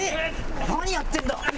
何やってるんだ？